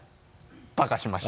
パカッしました。